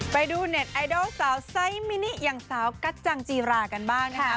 ไปดูเน็ตไอดอลสาวไซส์มินิอย่างสาวกัจจังจีรากันบ้างนะคะ